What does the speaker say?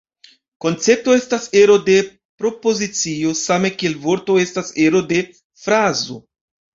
Koncepto estas ero de propozicio same kiel vorto estas ero de frazo.